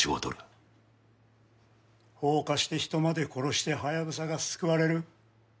放火して人まで殺してハヤブサが救われる？